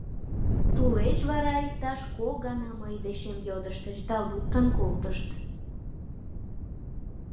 Тулеч вара иктаж кок гана мый дечем йодыштыч да луктын колтышт.